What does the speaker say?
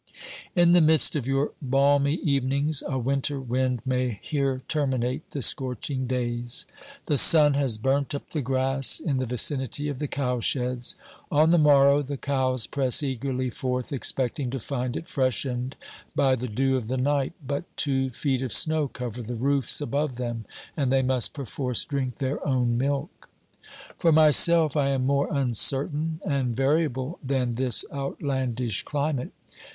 In the midst of your balmy evenings a winter wind may here terminate the scorching days. The sun has burnt up 330 OBERMANN the grass in the vicinity of the cowsheds ; on the morrow the cows press eagerly forth expecting to find it freshened by the dew of the night, but two feet of snow cover the roofs above them, and they must perforce drink their own milk. For myself, I am more uncertain and variable than this outlandish climate.